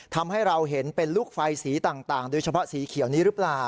ทำให้เราเห็นเป็นลูกไฟสีต่างโดยเฉพาะสีเขียวนี้หรือเปล่า